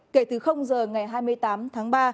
kể từ giờ ngày hai mươi tám tháng ba